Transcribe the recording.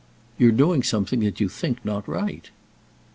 "You're doing something that you think not right."